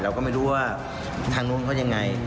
เราก็ไม่รู้ว่าทางนู้นเขายังไง